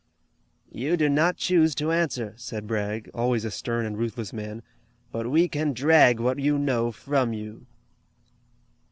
"You do not choose to answer," said Bragg, always a stern and ruthless man, "but we can drag what you know from you."